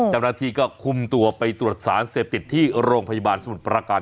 เจ้าหน้าที่ก็คุมตัวไปตรวจสารเสพติดที่โรงพยาบาลสมุทรประการ